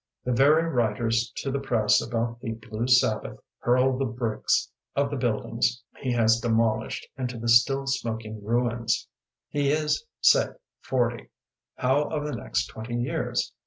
The very writers to the press about the blue Sabbath hurl the bricks of the buildings he has de molished into the still smoking ruins. He is, say, forty; how of the next twenty years?